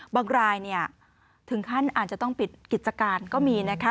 บางรายถึงขั้นอาจจะต้องปิดกิจการก็มีนะคะ